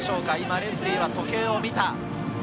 レフェリーが時計を見た。